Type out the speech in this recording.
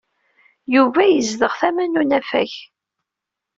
Yuba yezdeɣ tama n unafag.